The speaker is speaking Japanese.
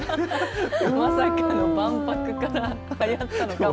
まさかの万博から流行ったのかも。